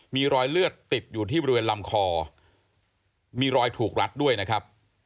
มีรอยเลือดติดอยู่ที่บริเวณลำคอมีรอยถูกรัดด้วยนะครับ